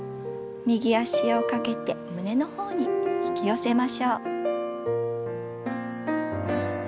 右脚をかけて胸の方に引き寄せましょう。